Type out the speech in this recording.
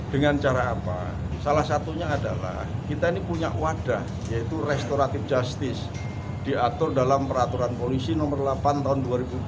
dengan cara apa salah satunya adalah kita ini punya wadah yaitu restoratif justice diatur dalam peraturan polisi nomor delapan tahun dua ribu dua puluh